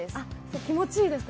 気持ちいいですか？